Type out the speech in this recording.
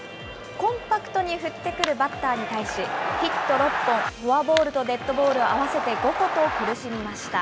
コンパクトに振ってくるバッターに対し、ヒット６本、フォアボールとデッドボール合わせて５個と苦しみました。